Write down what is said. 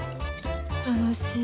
楽しい。